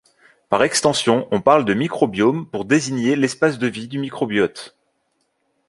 Par extension, on parle de microbiome, pour désigner l'espace de vie du microbiote.